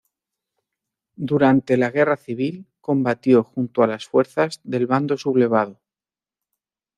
Durante la Guerra civil combatió junto a las fuerzas del Bando Sublevado.